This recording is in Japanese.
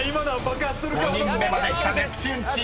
［５人目まできたネプチューンチーム］